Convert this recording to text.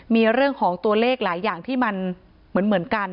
มีเรื่องของตัวเลขหลายอย่างที่มันเหมือนกัน